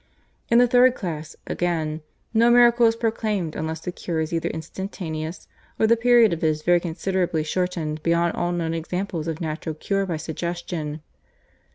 In the third class, again, no miracle is proclaimed unless the cure is either instantaneous, or the period of it very considerably shortened beyond all known examples of natural cure by suggestion."